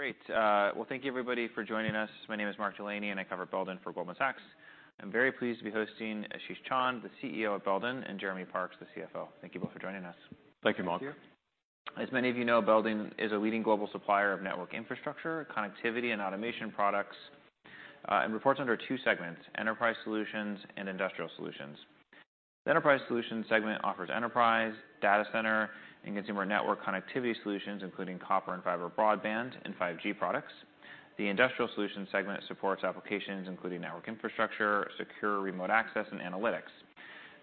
Great. Well, thank you everybody for joining us. My name is Mark Delaney, and I cover Belden for Goldman Sachs. I'm very pleased to be hosting Ashish Chand, the CEO of Belden, and Jeremy Parks, the CFO. Thank you both for joining us. Thank you, Mark. Thank you. As many of you know, Belden is a leading global supplier of Network Infrastructure, Connectivity, and Automation Products, and reports under two segments: Enterprise Solutions and Industrial Solutions. The Enterprise Solutions segment offers enterprise, Data Center, and consumer network connectivity solutions, including Copper and Fiber Broadband and 5G products. The Industrial Solutions segment supports applications including Network Infrastructure, Secure Remote Access and Analytics.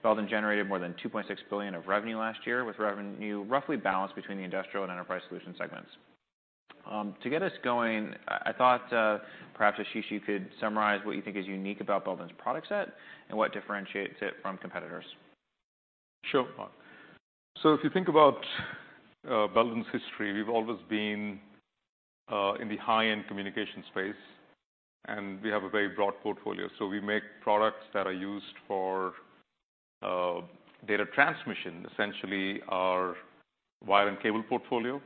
Belden generated more than $2.6 billion of revenue last year, with revenue roughly balanced between the Industrial and Enterprise Solutions segments. To get us going, I thought, perhaps, Ashish, you could summarize what you think is unique about Belden's product set and what differentiates it from competitors. Sure, Mark. If you think about Belden's history, we've always been in the high-end communication space, and we have a very broad portfolio. We make products that are used for Data Transmission, essentially our wire and cable portfolio.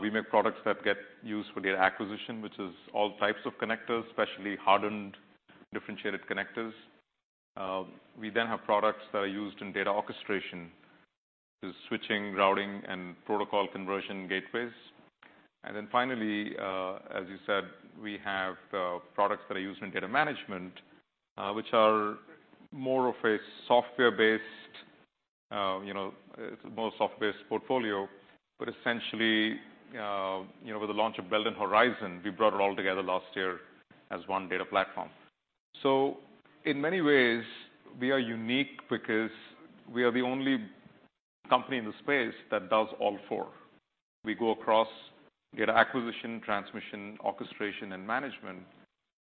We make products that get used for data acquisition, which is all types of connectors, especially hardened differentiated connectors. We have products that are used in Data Orchestration, the switching, routing, and Protocol Conversion Gateways. Finally, as you said, we have products that are used in Data Management, which are more of a software-based, you know, it's more software-based portfolio. Essentially, you know, with the launch of Belden Horizon, we brought it all together last year as one Data Platform. In many ways, we are unique because we are the only company in the space that does all four. We go across Data Acquisition, Transmission, Orchestration, and Management,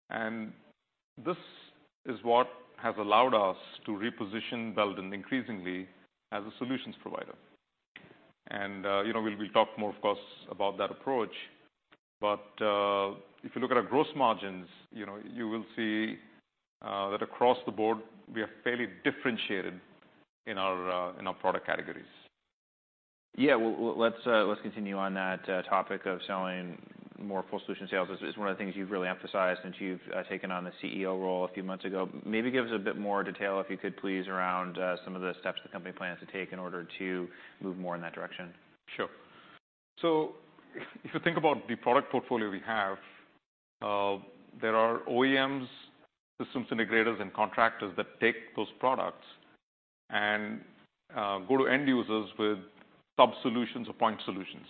and this is what has allowed us to reposition Belden increasingly as a Solutions Provider. You know, we'll talk more, of course, about that approach. If you look at our Gross Margins, you know, you will see that across the board, we are fairly differentiated in our product categories. Yeah. Well, let's continue on that topic of selling more Full Solution Sales. This is one of the things you've really emphasized since you've taken on the CEO role a few months ago. Maybe give us a bit more detail, if you could please, around some of the steps the company plans to take in order to move more in that direction. Sure. If you think about the product portfolio we have, there are OEMs, Systems Integrators, and contractors that take those products and go to End Users with Sub-Solutions or Point Solutions.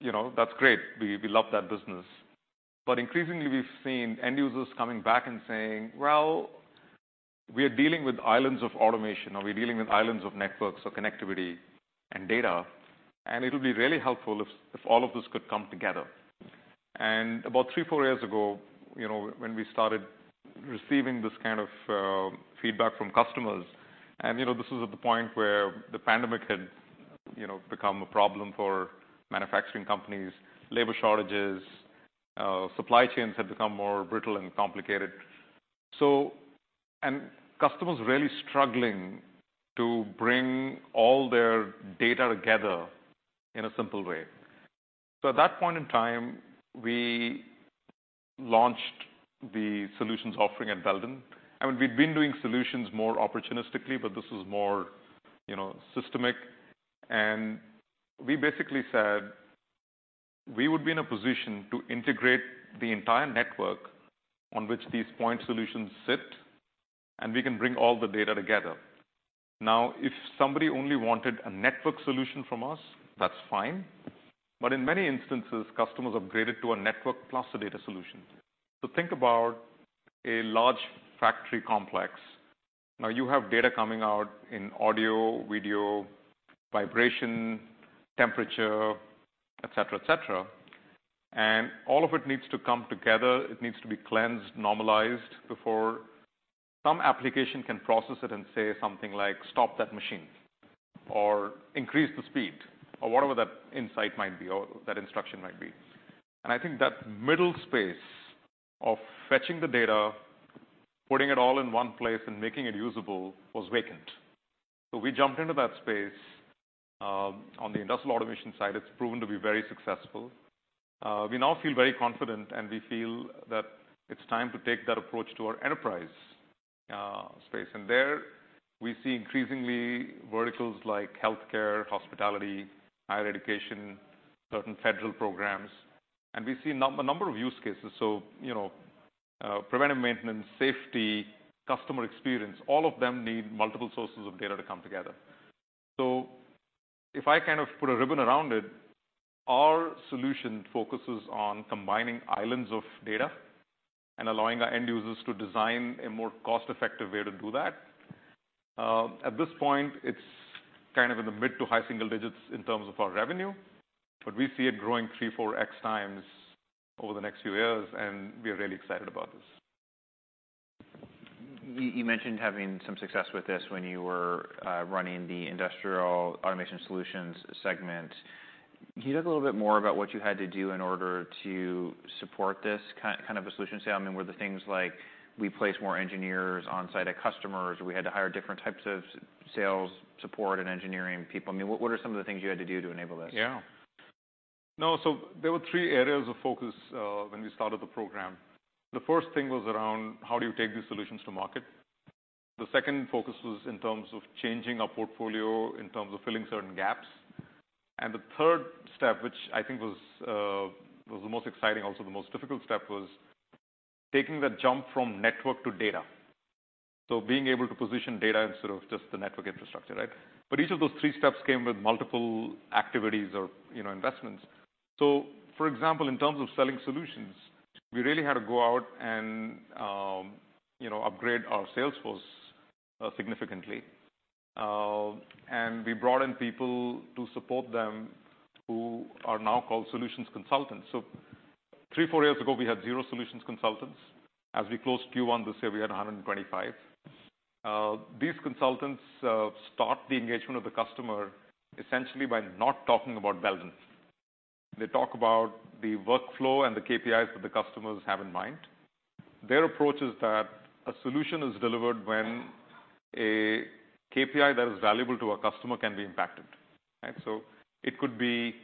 You know, that's great. We, we love that business. Increasingly, we've seen End Users coming back and saying, "Well, we are dealing with Islands of Automation, or we're dealing with Islands of Networks or connectivity and data, and it'll be really helpful if all of this could come together." About three, four years ago, you know, when we started receiving this kind of feedback from customers, and, you know, this was at the point where the Pandemic had, you know, become a problem for manufacturing companies, labor shortages, Supply Chains had become more brittle and complicated. Customers were really struggling to bring all their data together in a simple way. At that point in time, we launched the Solutions Offering at Belden. I mean, we'd been doing solutions more opportunistically, but this was more, you know, systemic. We basically said, "We would be in a position to integrate the entire network on which these Point Solutions sit, and we can bring all the data together." If somebody only wanted a Network Solution from us, that's fine. In many instances, customers upgraded to a Network plus a Data Solution. Think about a large factory complex. You have data coming out in audio, video, vibration, temperature, et cetera, et cetera, and all of it needs to come together. It needs to be cleansed, normalized before some application can process it and say something like, "Stop that machine," or, "Increase the speed," or whatever that insight might be or that instruction might be. I think that middle space of fetching the data, putting it all in one place and making it usable, was vacant. We jumped into that space. On the Industrial Automation side, it's proven to be very successful. We now feel very confident, and we feel that it's time to take that approach to our Enterprise space. There we see increasingly verticals like Healthcare, Hospitality, Higher Education, certain federal programs, and we see a number of Use Cases. You know, Preventive Maintenance, safety, customer experience, all of them need multiple sources of data to come together. If I kind of put a ribbon around it, our solution focuses on combining Islands of Data and allowing our End Users to design a more cost-effective way to do that. At this point, it's kind of in the Mid to High Single Digits in terms of our revenue, but we see it growing 3x-4x times over the next few years, and we are really excited about this. You mentioned having some success with this when you were running the Industrial Automation Solutions segment. Can you talk a little bit more about what you had to do in order to support this kind of a solution? Say, I mean, were there things like we place more engineers on-site at customers, or we had to hire different types of sales, support and engineering people? I mean, what are some of the things you had to do to enable this? No, there were three areas of focus when we started the program. The first thing was around how do you take these solutions to market. The second focus was in terms of changing our portfolio, in terms of filling certain gaps. The third step, which I think was the most exciting, also the most difficult step, was taking that jump from Network to Data. Being able to position data instead of just the Network Infrastructure, right? Each of those three steps came with multiple activities or, you know, investments. For example, in terms of selling solutions, we really had to go out and, you know, upgrade our sales force significantly. We brought in people to support them who are now called Solutions Consultants. Three, four Years ago, we had zero Solutions Consultants. As we closed Q1 this year, we had 125. These consultants start the engagement of the customer essentially by not talking about Belden. They talk about the Workflow and the KPIs that the customers have in mind. Their approach is that a solution is delivered when a KPI that is valuable to a customer can be impacted, right? It could be,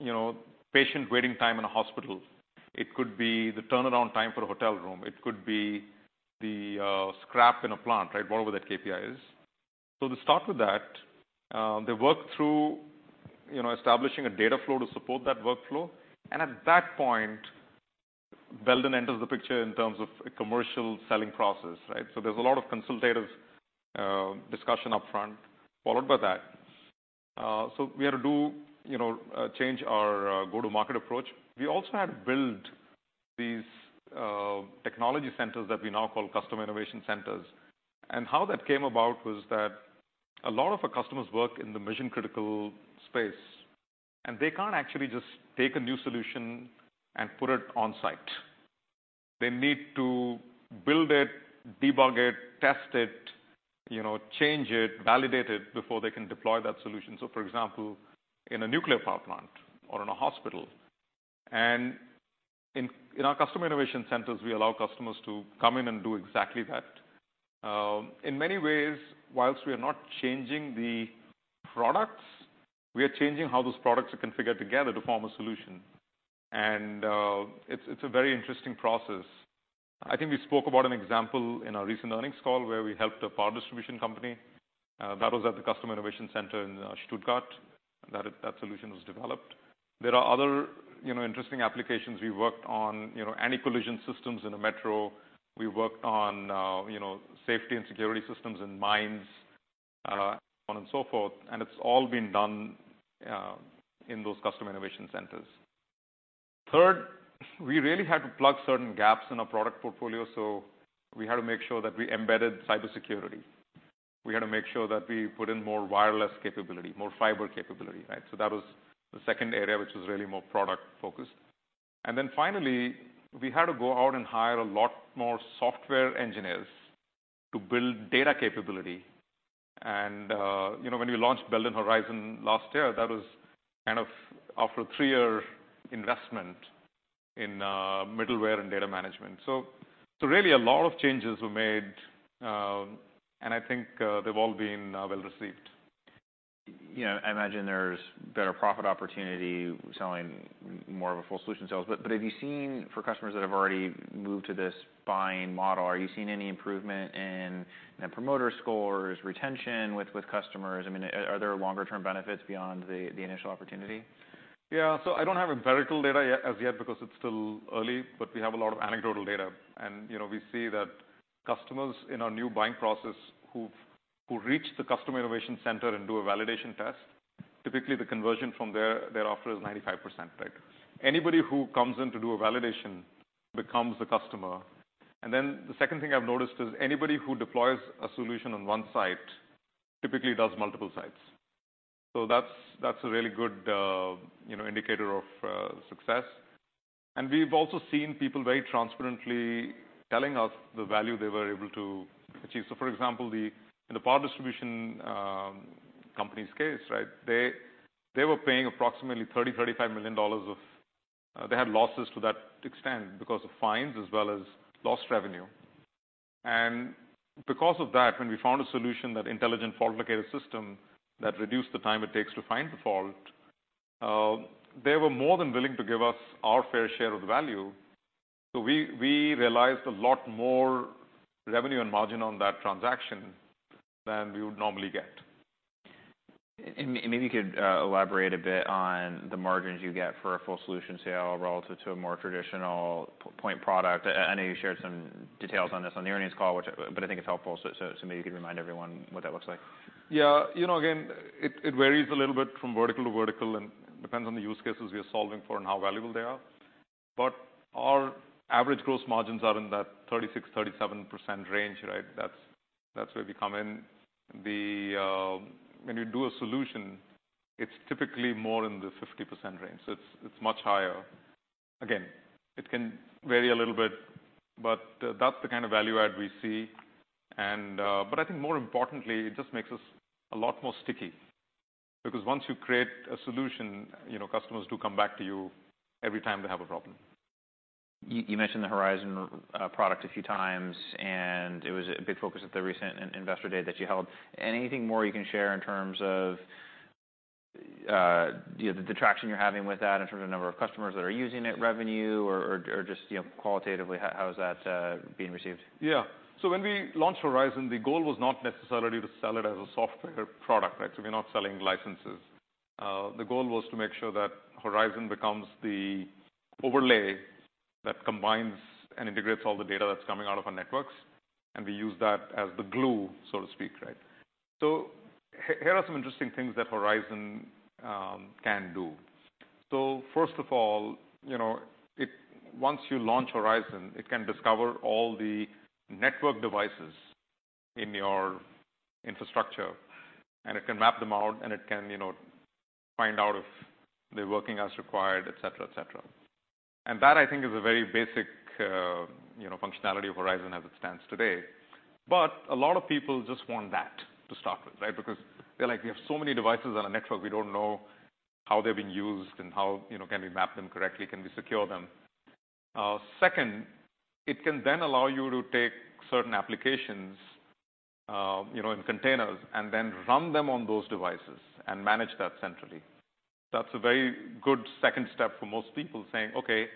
you know, patient waiting time in a hospital. It could be the turnaround time for a hotel room. It could be the scrap in a plant, right? Whatever that KPI is. To start with that, they work through, you know, establishing a Data Flow to support that Workflow, and at that point, Belden enters the picture in terms of a commercial selling process, right? There's a lot of consultative discussion upfront followed by that. We had to do, you know, change our Go-To-Market Approach. We also had to build these technology centers that we now call Customer Innovation Centers. How that came about was that a lot of our customers work in the Mission-Critical Space, and they can't actually just take a new solution and put it on site. They need to build it, debug it, test it, you know, change it, validate it before they can deploy that solution. For example, in a nuclear power plant or in a hospital. In our Customer Innovation Centers, we allow customers to come in and do exactly that. In many ways, whilst we are not changing the products, we are changing how those products are configured together to form a solution. It's a very interesting process. I think we spoke about an example in our recent earnings call where we helped a power distribution company, that was at the Customer Innovation Center in Stuttgart, that solution was developed. There are other, you know, interesting applications. We worked on, you know, Anti-Collision Systems in a metro. We worked on, you know, safety and security systems in mines, on and so forth, and it's all been done in those Customer Innovation Centers. Third, we really had to plug certain gaps in our product portfolio, so we had to make sure that we embedded Cybersecurity. We had to make sure that we put in more Wireless Capability, more Fiber Capability, right? That was the second area, which was really more product-focused. Finally, we had to go out and hire a lot more Software Engineers to build data capability. You know, when we launched Belden Horizon last year, that was kind of after a Three-Year Investment in Middleware and Data Management. Really a lot of changes were made, and I think they've all been well-received. You know, I imagine there's better profit opportunity selling more of a Full Solution Sales. Have you seen, for customers that have already moved to this buying model, are you seeing any improvement in the Promoter Scores, retention with customers? I mean, are there longer term benefits beyond the initial opportunity? Yeah. I don't have empirical data as yet because it's still early, but we have a lot of anecdotal data and, you know, we see that customers in our new buying process who reach the Customer Innovation Center and do a Validation Test, typically the conversion from there, thereafter is 95%, right? Anybody who comes in to do a validation becomes the customer. The second thing I've noticed is anybody who deploys a solution on one site typically does multiple sites. That's a really good, you know, indicator of success. We've also seen people very transparently telling us the value they were able to achieve. For example, in the power distribution company's case, right? They were paying approximately $30 million-$35 million of, they had losses to that extent because of fines as well as lost revenue. Because of that, when we found a solution, that Intelligent Fault Locator System that reduced the time it takes to find the fault, they were more than willing to give us our fair share of the value. We realized a lot more revenue and margin on that transaction than we would normally get. Maybe you could elaborate a bit on the margins you get for a Full Solution Sale relative to a more traditional Point Product. I know you shared some details on this on the earnings call, which, but I think it's helpful, so maybe you can remind everyone what that looks like. Yeah. You know, again, it varies a little bit from vertical to vertical and depends on the Use Cases we are solving for and how valuable they are. Our Average Gross Margins are in that 36%-37% range, right? That's, that's where we come in. When you do a solution, it's typically more in the 50% range. It's, it's much higher. Again, it can vary a little bit, but that's the kind of value add we see and, but I think more importantly, it just makes us a lot more sticky. Once you create a solution, you know, customers do come back to you every time they have a problem. You mentioned the Horizon product a few times, and it was a big focus at the recent Investor Day that you held. Anything more you can share in terms of, you know, the traction you're having with that in terms of number of customers that are using it, revenue or just, you know, qualitatively, how is that being received? Yeah. When we launched Belden Horizon, the goal was not necessarily to sell it as a Software Product, right? The goal was to make sure that Belden Horizon becomes the overlay that combines and integrates all the data that's coming out of our networks, and we use that as the glue, so to speak, right? Here are some interesting things that Belden Horizon can do. First of all, you know, once you launch Belden Horizon, it can discover all the Network Devices in your infrastructure, and it can map them out, and it can, you know, find out if they're working as required, et cetera. That, I think, is a very basic, you know, functionality of Belden Horizon as it stands today. A lot of people just want that to start with, right? They're like, "We have so many devices on a network. We don't know how they're being used and how, you know, can we map them correctly? Can we secure them?" Second, it can then allow you to take certain applications, you know, in Containers, and then run them on those devices and manage that centrally. That's a very good second step for most people saying, "Okay,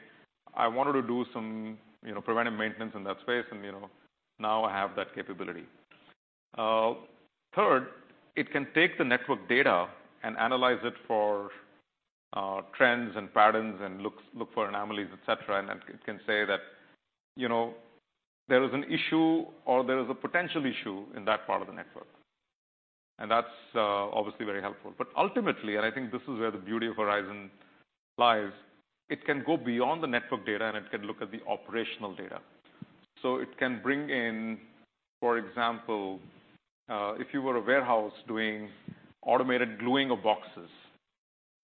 I wanted to do some, you know, Preventive Maintenance in that space and, you know, now I have that capability." Third, it can take the Network Data and analyze it for trends and patterns and look for anomalies, et cetera. It can say that, you know, there is an issue or there is a potential issue in that part of the network. That's obviously very helpful. Ultimately, and I think this is where the beauty of Belden Horizon lies, it can go beyond the Network Data, and it can look at the Operational Data. It can bring in, for example, if you were a warehouse doing automated gluing of boxes,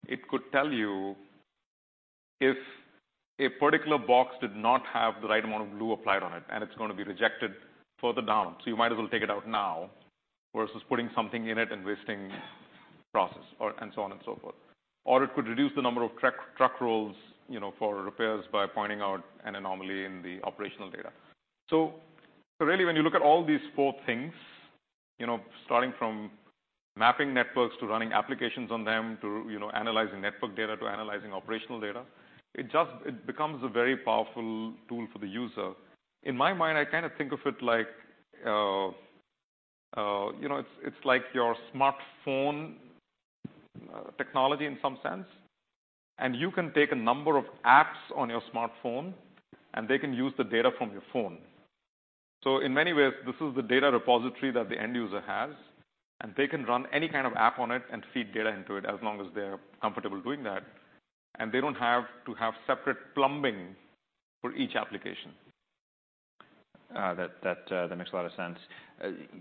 it could tell you if a particular box did not have the right amount of glue applied on it, and it's gonna be rejected further down. You might as well take it out now versus putting something in it and wasting process and so on and so forth. It could reduce the number of Truck Rolls, you know, for repairs by pointing out an anomaly in the Operational Data. Really when you look at all these four things, you know, starting from Mapping Networks to running applications on them to, you know, Analyzing Network Data to Analyzing Operational Data, it becomes a very powerful tool for the user. In my mind, I kind of think of it like, you know, it's like your smartphone technology in some sense, and you can take a number of apps on your smartphone, and they can use the data from your phone. In many ways, this is the Data Repository that the End User has, and they can run any kind of app on it and feed data into it as long as they're comfortable doing that. They don't have to have separate plumbing for each application. That makes a lot of sense.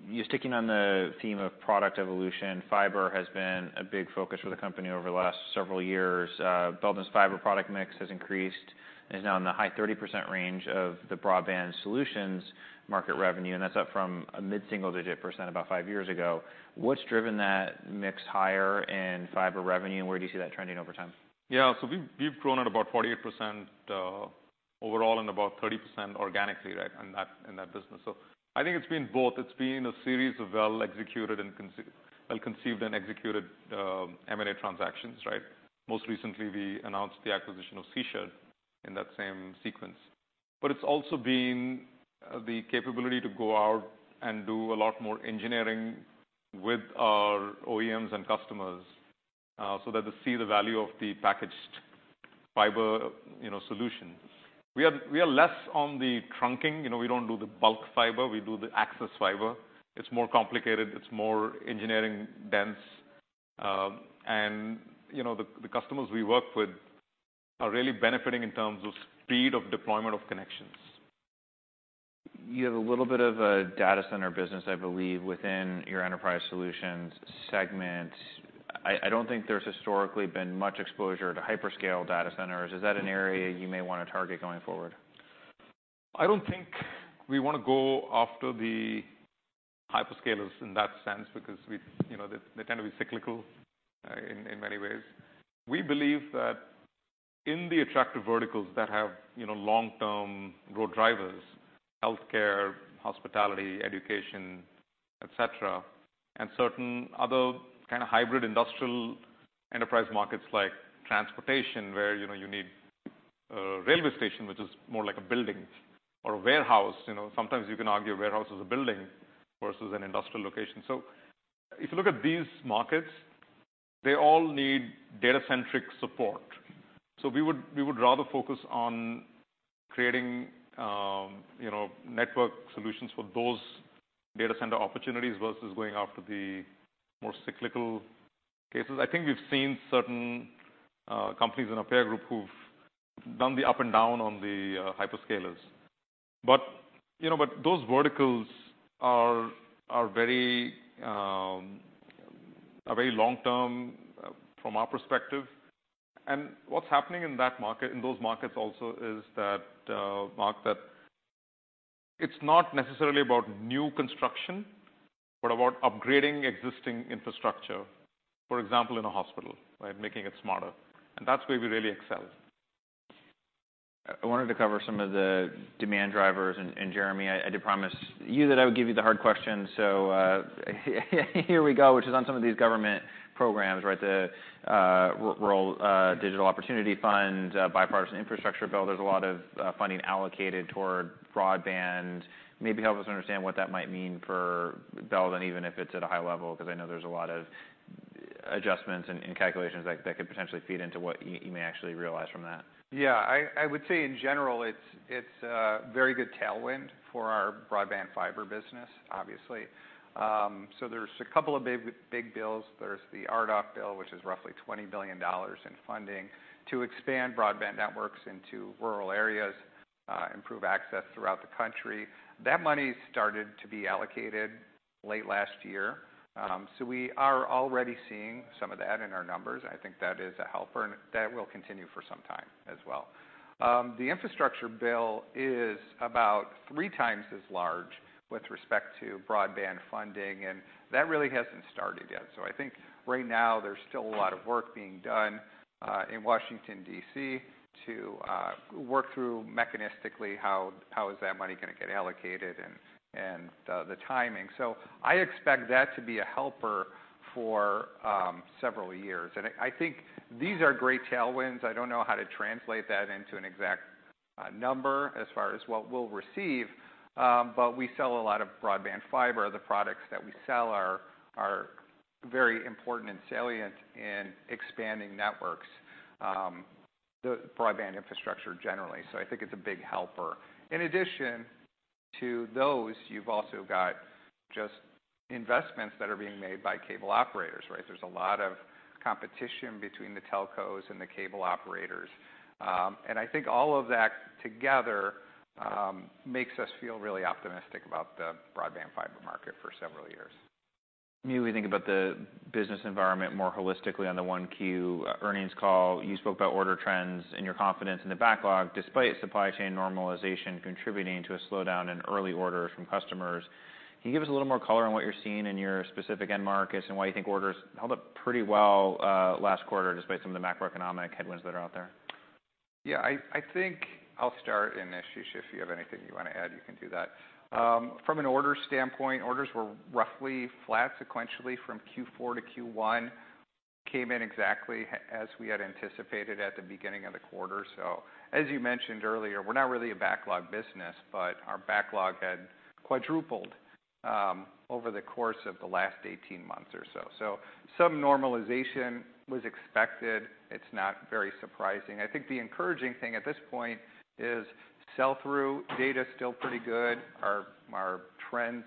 You're sticking on the theme of product evolution. Fiber has been a big focus for the company over the last several years. Belden's Fiber Product Mix has increased and is now in the High 30% range of the Broadband Solutions market revenue, and that's up from a Mid-Single-Digit percent about five years ago. What's driven that mix higher in Fiber Revenue, and where do you see that trending over time? Yeah. We've grown at about 48% overall and about 30% organically, right? In that business. I think it's been both. It's been a series of well-conceived and executed M&A transactions, right? Most recently, we announced the acquisition of S in that same sequence. It's also been the capability to go out and do a lot more engineering with our OEMs and customers, so that they see the value of the packaged Fiber, you know, solution. We are less on the trunking. You know, we don't do the Bulk Fiber. We do the Access Fiber. It's more complicated. It's more engineering dense. You know, the customers we work with are really benefiting in terms of speed of deployment of connections. You have a little bit of a Data Center business, I believe, within your Enterprise Solutions segment. I don't think there's historically been much exposure to Hyperscale Data Centers. Is that an area you may wanna target going forward? I don't think we wanna go after the Hyperscalers in that sense because we, you know, they tend to be cyclical in many ways. We believe that in the attractive verticals that have, you know, long-term growth drivers, Healthcare, Hospitality, education, et cetera, and certain other kind of Hybrid Industrial Enterprise markets like Transportation, where, you know, you need a railway station which is more like a building or a warehouse. You know, sometimes you can argue a warehouse is a building versus an industrial location. If you look at these markets, they all need Data-Centric Support. We would rather focus on creating, you know, Network Solutions for those Data Center opportunities versus going after the more cyclical cases. I think we've seen certain companies in our peer group who've done the up and down on the Hyperscalers. You know, but those verticals are very long-term from our perspective. What's happening in that market, in those markets also is that, Mark, It's not necessarily about new construction, but about upgrading existing infrastructure. For example, in a hospital, right? Making it smarter. That's where we really excel. I wanted to cover some of the demand drivers. Jeremy, I did promise you that I would give you the hard questions, so here we go, which is on some of these government programs, right? The Rural Digital Opportunity Fund, Bipartisan Infrastructure Law. There's a lot of funding allocated toward Broadband. Maybe help us understand what that might mean for Belden, even if it's at a high level, 'cause I know there's a lot of adjustments and calculations that could potentially feed into what you may actually realize from that. Yeah. I would say in general it's a very good tailwind for our Broadband Fiber business, obviously. There's a couple of big bills. There's the RDOF bill, which is roughly $20 billion in funding to expand broadband networks into rural areas, improve access throughout the country. That money started to be allocated late last year, we are already seeing some of that in our numbers, and I think that is a helper, and that will continue for some time as well. The Infrastructure Bill is about three times as large with respect to Broadband Funding, and that really hasn't started yet. I think right now there's still a lot of work being done in Washington, D.C. to work through mechanistically how is that money gonna get allocated and, the timing. I expect that to be a helper for several years. I think these are great tailwinds. I don't know how to translate that into an exact number as far as what we'll receive, but we sell a lot of Broadband Fiber. The products that we sell are very important and salient in expanding networks, the Broadband Infrastructure generally. I think it's a big helper. In addition to those, you've also got just investments that are being made by Cable Operators, right? There's a lot of competition between the telcos and the Cable Operators. I think all of that together makes us feel really optimistic about the Broadband Fiber market for several years. When you think about the business environment more holistically on the 1Q earnings call, you spoke about order trends and your confidence in the Backlog despite Supply Chain Normalization contributing to a slowdown in early orders from customers. Can you give us a little more color on what you're seeing in your specific end markets, and why you think orders held up pretty well, last quarter despite some of the macroeconomic headwinds that are out there? Yeah. I think I'll start, and then Ashish, if you have anything you wanna add, you can do that. From an order standpoint, orders were roughly flat sequentially from Q4 to Q1, came in exactly as we had anticipated at the beginning of the quarter. As you mentioned earlier, we're not really a Backlog business, but our Backlog had quadrupled over the course of the last 18 months or so. Some normalization was expected. It's not very surprising. I think the encouraging thing at this point is Sell-Through Data is still pretty good. Our trends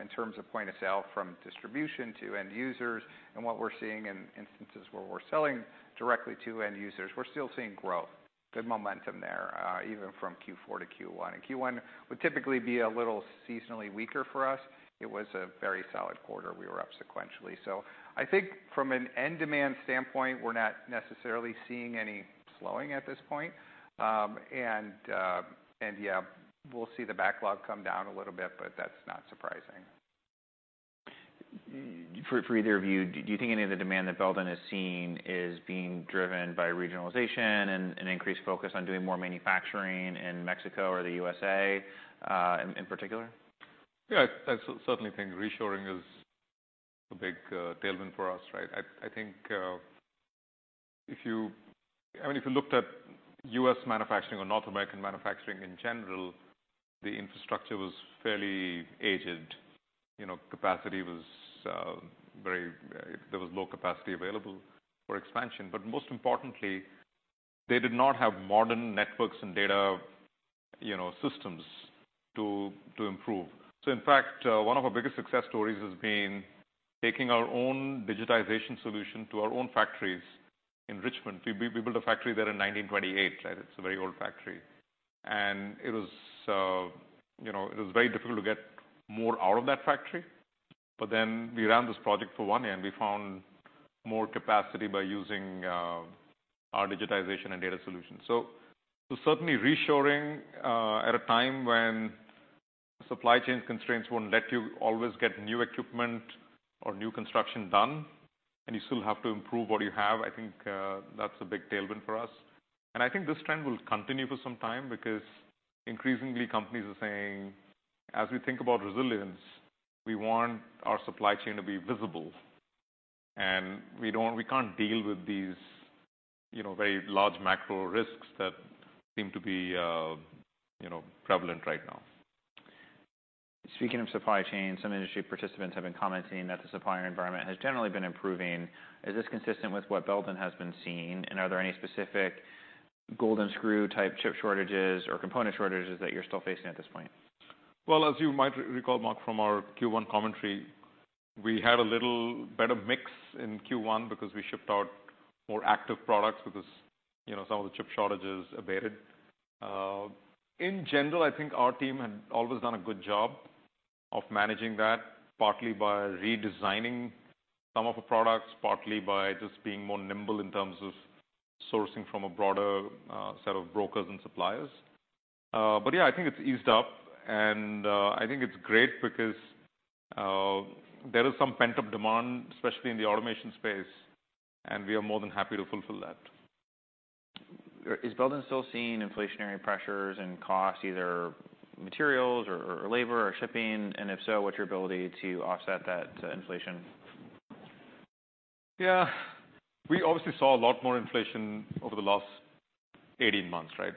in terms of Point of Sale from distribution to End Users and what we're seeing in instances where we're selling directly to End Users, we're still seeing growth. Good momentum there, even from Q4 to Q1. Q1 would typically be a little seasonally weaker for us. It was a very solid quarter. We were up sequentially. I think from an End Demand standpoint, we're not necessarily seeing any slowing at this point. Yeah, we'll see the Backlog come down a little bit, but that's not surprising. For either of you, do you think any of the demand that Belden has seen is being driven by Regionalization and an increased focus on doing more manufacturing in Mexico or the USA, in particular? Yeah. I certainly think Reshoring is a big tailwind for us, right? I think, I mean, if you looked at U.S. Manufacturing or North American Manufacturing in general, the infrastructure was fairly aged. You know, there was low capacity available for expansion. Most importantly, they did not have modern networks and data, you know, systems to improve. In fact, one of our biggest success stories has been taking our own Digitization Solution to our own factories in Richmond. We built a factory there in 1928, right? It's a very old factory. It was, you know, very difficult to get more out of that factory. We ran this project for One Year, and we found more capacity by using our Digitization and Data Solution. Certainly Reshoring, at a time when Supply Chain Constraints won't let you always get new equipment or new construction done, and you still have to improve what you have, I think, that's a big tailwind for us. I think this trend will continue for some time because increasingly companies are saying, "As we think about resilience, we want our Supply Chain to be visible, and we can't deal with these, you know, very large macro risks that seem to be, you know, prevalent right now. Speaking of Supply Chain, some industry participants have been commenting that the supplier environment has generally been improving. Is this consistent with what Belden has been seeing, and are there any specific Golden Screw type Chip Shortages or component shortages that you're still facing at this point? Well, as you might recall, Mark, from our Q1 commentary, we had a little better mix in Q1 because we shipped out more Active Products because, you know, some of the Chip Shortages abated. In general, I think our team had always done a good job of managing that partly by redesigning some of the products, partly by just being more nimble in terms of sourcing from a broader set of brokers and suppliers. Yeah, I think it's eased up and I think it's great because there is some Pent-Up Demand, especially in the Automation Space, and we are more than happy to fulfill that. Is Belden still seeing Inflationary Pressures and costs, either materials or labor or shipping? If so, what's your ability to offset that inflation? Yeah. We obviously saw a lot more inflation over the last 18 months, right?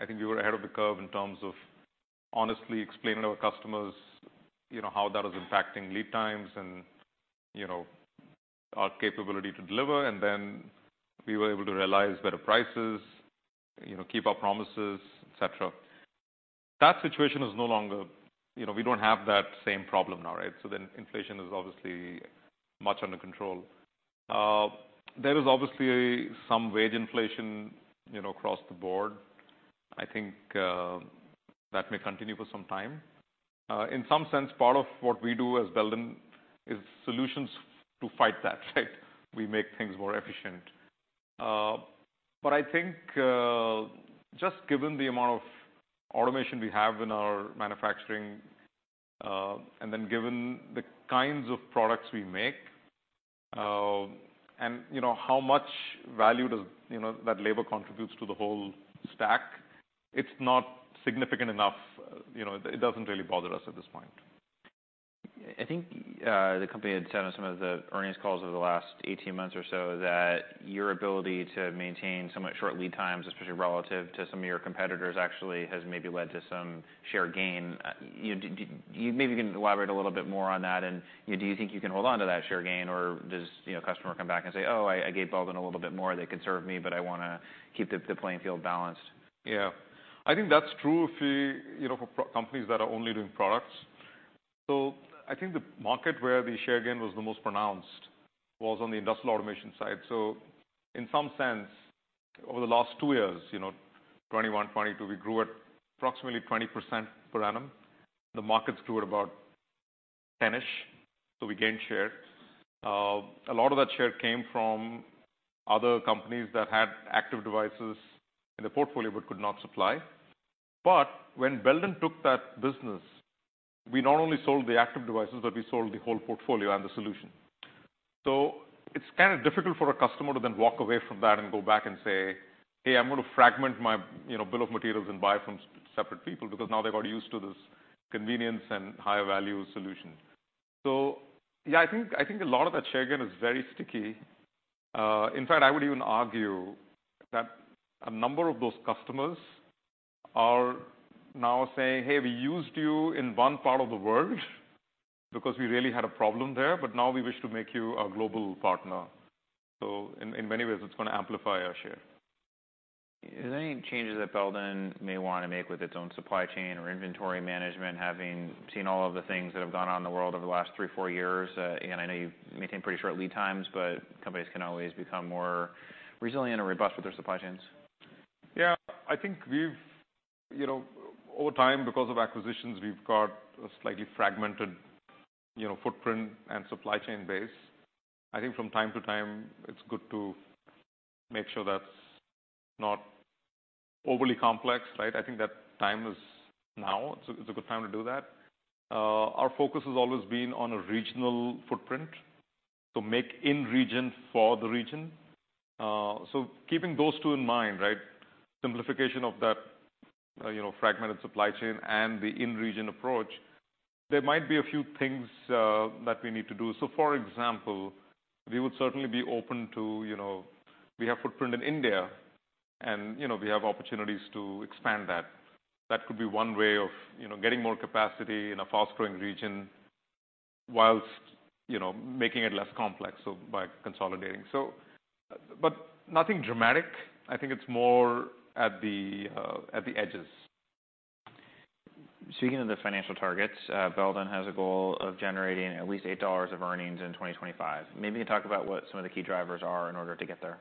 I think we were ahead of the curve in terms of honestly explaining to our customers, you know, how that was impacting Lead Times and, you know, our capability to deliver. We were able to realize better prices, you know, keep our promises, et cetera. That situation is no longer... You know, we don't have that same problem now, right? Inflation is obviously much under control. There is obviously some Wage Inflation, you know, across the board. I think that may continue for some time. In some sense, part of what we do as Belden is solutions to fight that, right? We make things more efficient. I think, just given the amount of Automation we have in our manufacturing, and then given the kinds of products we make, and you know, how much value does, you know, that labor contributes to the whole stack, it's not significant enough. You know, it doesn't really bother us at this point. I think, the company had said on some of the earnings calls over the last 18 months or so that your ability to maintain somewhat short Lead Times, especially relative to some of your competitors, actually has maybe led to some Share Gain. You know, maybe you can elaborate a little bit more on that, and do you think you can hold on to that Share Gain, or does, you know, a customer come back and say, "Oh, I gave Belden a little bit more. They could serve me, but I wanna keep the playing field balanced. Yeah. I think that's true if we, you know, for companies that are only doing products. I think the market where the Share Gain was the most pronounced was on the Industrial Automation side. In some sense, over the last two years, you know, 2021, 2022, we grew at approximately 20% Per Annum. The markets grew at about 10-ish, so we gained share. A lot of that share came from other companies that had Active Devices in the portfolio but could not supply. When Belden took that business, we not only sold the Active Devices, but we sold the whole portfolio and the solution. It's kinda difficult for a customer to then walk away from that and go back and say, "Hey, I'm gonna fragment my, you know, Bill of Materials and buy from separate people," because now they've got used to this convenience and higher value solution. Yeah, I think a lot of that Share Gain is very sticky. In fact, I would even argue that a number of those customers are now saying, "Hey, we used you in one part of the world because we really had a problem there, but now we wish to make you a global partner." In many ways, it's gonna amplify our share. Is there any changes that Belden may wanna make with its own Supply Chain or inventory management, having seen all of the things that have gone on in the world over the last three, four years? Again, I know you maintain pretty short Lead Times, but companies can always become more resilient and robust with their Supply Chains. Yeah. I think we've, you know, over time, because of acquisitions, we've got a slightly fragmented, you know, footprint and Supply Chain base. I think from time to time, it's good to make sure that's not overly complex, right? I think that time is now. It's a good time to do that. Our focus has always been on a regional footprint to make in region for the region. Keeping those two in mind, right, simplification of that, you know, fragmented Supply Chain and the in-region approach, there might be a few things that we need to do. For example, we would certainly be open to, you know, we have footprint in India and, you know, we have opportunities to expand that. That could be one way of, you know, getting more capacity in a fast-growing region whilst, you know, making it less complex, by consolidating. Nothing dramatic. I think it's more at the, at the edges. Speaking of the financial targets, Belden has a goal of generating at least $8.00 of earnings in 2025. Maybe you can talk about what some of the key drivers are in order to get there.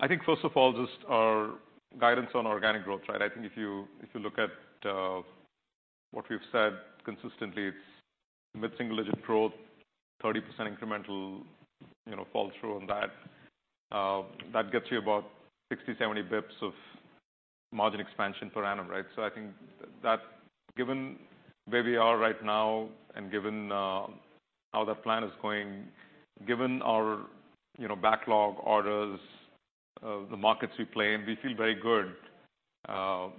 I think first of all, just our guidance on Organic Growth, right? I think if you look at what we've said consistently, it's Mid-Single-Digit growth, 30% Incremental, you know, fall through on that. That gets you about 60, 70 Basis Points of Margin Expansion per annum, right? I think that given where we are right now and given how that plan is going, given our, you know, Backlog orders, the markets we play in, we feel very good,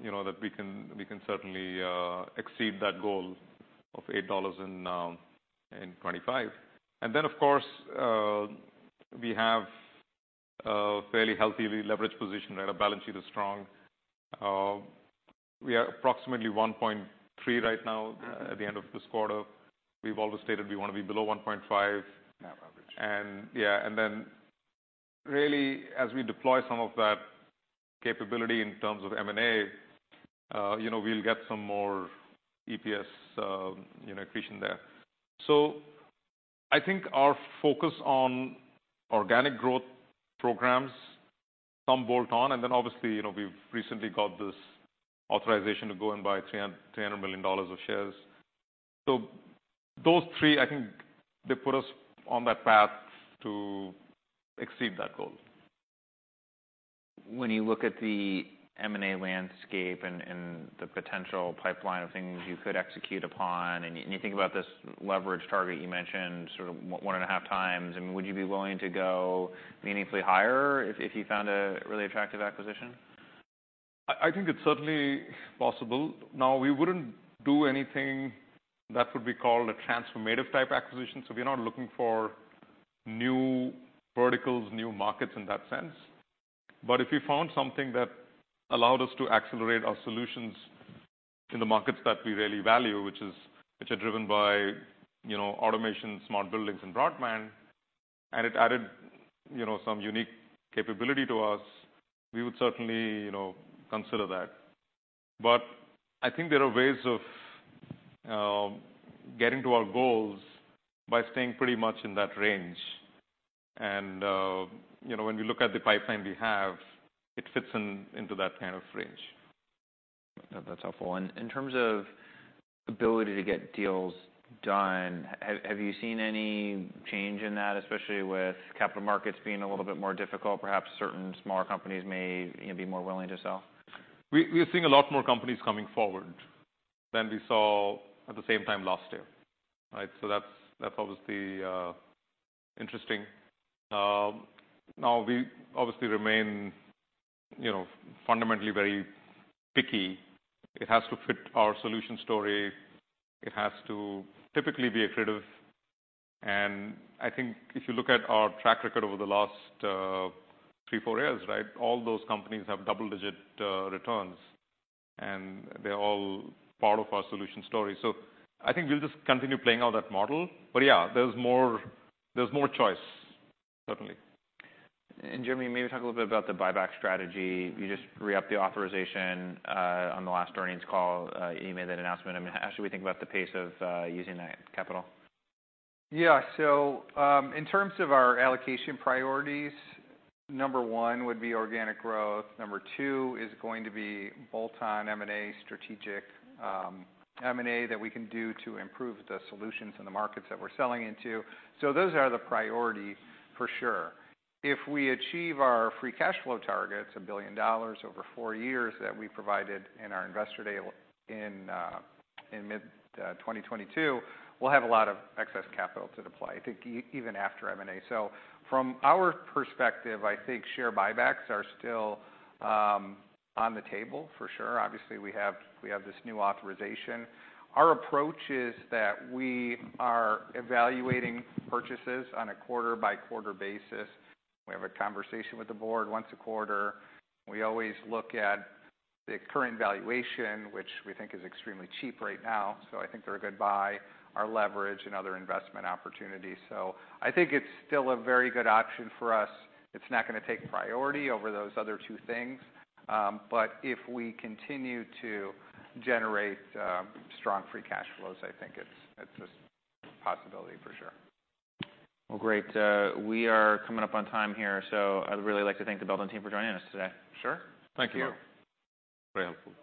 you know, that we can certainly exceed that goal of $8.00 in 2025. Of course, we have a fairly healthy leverage position. Our Balance Sheet is strong. We are approximately 1.3x right now at the end of this quarter. We've always stated we wanna be below 1.5x. Net Leverage. Yeah. Then really as we deploy some of that capability in terms of M&A, you know, we'll get some more EPS, you know, accretion there. I think our focus on Organic Growth Programs, some Bolt-On, and then obviously, you know, we've recently got this authorization to go and buy $300 million of shares. Those three, I think they put us on that path to exceed that goal. When you look at the M&A Landscape and the potential pipeline of things you could execute upon, and you think about this Leverage Target you mentioned, sort of 1.5x, I mean, would you be willing to go meaningfully higher if you found a really attractive acquisition? I think it's certainly possible. We wouldn't do anything that would be called a Transformative Type Acquisition. We're not looking for new verticals, new markets in that sense. If we found something that allowed us to accelerate our solutions in the markets that we really value, which are driven by, you know, Automation, Smart Buildings, and Broadband, and it added, you know, some unique capability to us, we would certainly, you know, consider that. I think there are ways of getting to our goals by staying pretty much in that range. You know, when we look at the pipeline we have, it fits into that kind of range. That's helpful. In terms of ability to get deals done, have you seen any change in that, especially with Capital Markets being a little bit more difficult, perhaps certain smaller companies may, you know, be more willing to sell? We're seeing a lot more companies coming forward than we saw at the same time last year, right? That's, that's obviously interesting. Now we obviously remain, you know, fundamentally very picky. It has to fit our Solution Story. It has to typically be accretive. I think if you look at our track record over the last three, four years, right, all those companies have Double-Digit Returns, and they're all part of our Solution Story. I think we'll just continue playing out that model. Yeah, there's more, there's more choice, certainly. Jeremy, maybe talk a little bit about the Buyback Strategy. You just re-up the authorization on the last earnings call, you made that announcement. I mean, how should we think about the pace of using that capital? Yeah. In terms of our allocation priorities, number one would be Organic Growth. Number two is going to be Bolt-On M&A, Strategic M&A that we can do to improve the solutions in the markets that we're selling into. Those are the priorities for sure. If we achieve our Free Cash Flow targets, $1 billion over four years that we provided in our Investor Day in Mid-2022, we'll have a lot of excess capital to deploy, I think even after M&A. From our perspective, I think Share Buybacks are still on the table for sure. Obviously, we have this new authorization. Our approach is that we are evaluating purchases on a quarter-by-quarter basis. We have a conversation with the Board once a quarter. We always look at the current valuation, which we think is extremely cheap right now, so I think they're a good buy, our leverage and other investment opportunities. I think it's still a very good option for us. It's not gonna take priority over those other two things. If we continue to generate Strong Free Cash Flows, I think it's a possibility for sure. Well, great. We are coming up on time here, so I'd really like to thank the Belden team for joining us today. Sure. Thank you. Sure. Very helpful.